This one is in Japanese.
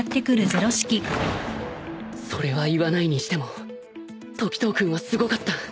それは言わないにしても時透君はすごかった